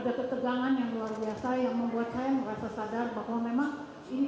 ada ketegangan yang luar biasa yang membuat saya merasa sadar bahwa memang ini